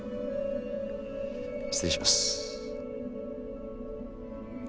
失礼します。